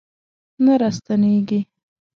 نه راستنیږي